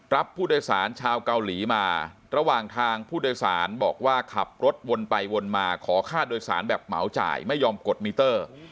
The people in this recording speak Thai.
รับผู้โดยสารชาวเกาหลีมาระหว่างทางผู้โดยสารบอกว่าขับรถวนไปวนมาขอค่าโดยสารแบบเหมาจ่ายไม่ยอมกดมิเตอร์